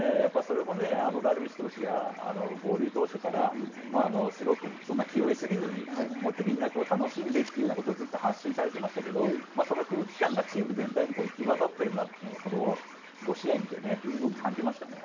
ダルビッシュ投手が合流当初から、気負いすぎずに、みんな楽しんでっていうようなことをずっと発信されてましたけど、その空気感がチーム全体に行き渡ってるなと、５試合見て、すごく感じましたね。